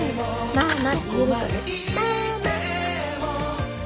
「ママ」。